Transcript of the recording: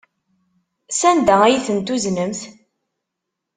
Sanda ay ten-tuznemt?